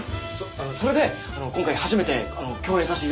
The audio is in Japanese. それで今回初めて共演させていただきます。